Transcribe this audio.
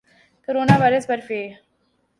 corona virus پر ف